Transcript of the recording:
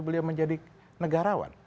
beliau menjadi negarawan